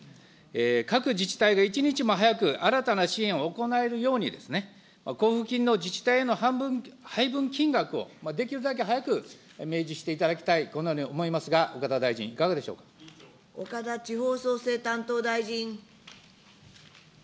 各自治体が一日も早く新たな支援を行えるように、交付金の自治体への配分金額をできるだけ早く明示していただきたい、このように思いますが、岡田大臣、岡田地方創生担当大臣。